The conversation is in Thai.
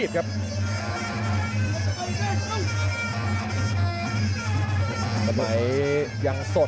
สวัสดิ์นุ่มสตึกชัยโลธสวัสดิ์